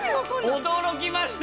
驚きましたね。